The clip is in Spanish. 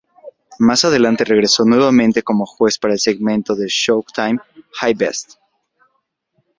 Más adelante regresó nuevamente como juez para el segmento de Showtime "Hype Best".